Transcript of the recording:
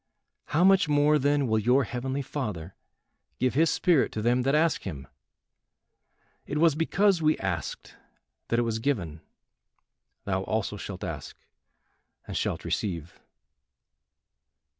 How much more then will your heavenly Father give his spirit to them that ask him. It was because we asked that it was given. Thou also shalt ask and shalt receive."